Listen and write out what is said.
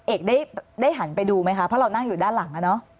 เอกได้หันไปดูไหมคะเพราะเรานั่งอยู่ด้านหลัง